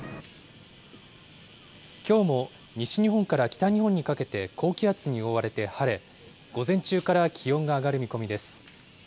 きょうも西日本から北日本にかけて高気圧に覆われて晴れ、午前中から気温が上がる見込みです。